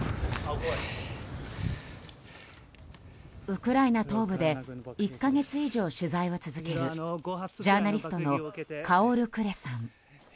ウクライナ東部で１か月以上、取材を続けるジャーナリストのカオル・クレさん。